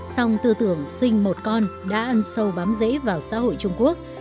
song tư tưởng sinh một con đã ăn sâu bám dễ vào xã hội trung quốc